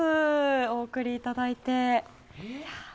お送りいただいて。